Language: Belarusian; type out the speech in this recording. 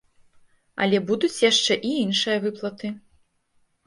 Але будуць яшчэ і іншыя выплаты.